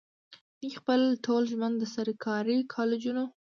دوي خپل ټول ژوند د سرکاري کالجونو